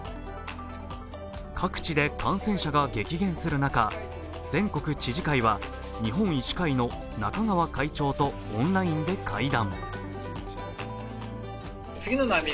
各地で感染者が激減する中、全国知事会は日本医師会の中川会長とオンラインで会談。